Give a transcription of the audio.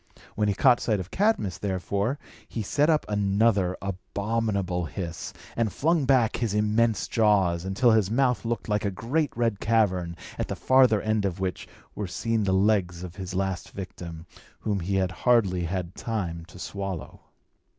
When he caught sight of Cadmus, therefore, he set up another abominable hiss, and flung back his immense jaws, until his mouth looked like a great red cavern, at the farther end of which were seen the legs of his last victim, whom he had hardly had time to swallow.